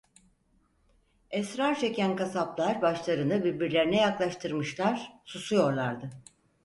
Esrar çeken kasaplar başlarını birbirlerine yaklaştırmışlar; susuyorlardı.